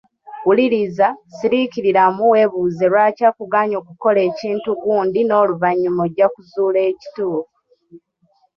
Wuliriza, siriikiriramu weebuuze lwaki akugaanyi okukola ekintu gundi n'oluvanyuma ojja kuzuula ekituufu.